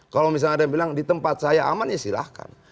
kalau misalnya ada yang bilang di tempat saya aman ya silahkan